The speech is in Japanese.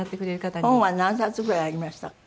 本は何冊ぐらいありましたか？